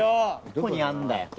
・どこにあんだよ？